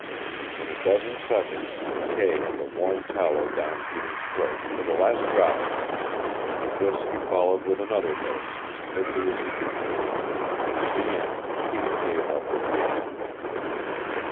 In a dozen seconds McKay had the warm tallow down Peter's throat, to the last drop of it; and this he followed with another dose as quickly as he could heat it, and in the end Peter gave up what he had eaten.